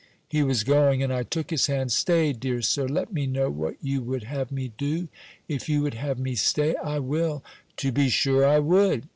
He was going, and I took his hand: "Stay, dear Sir, let me know what you would have me do. If you would have me stay, I will." "To be sure I would."